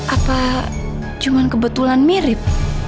apa cuma kebetulan mirip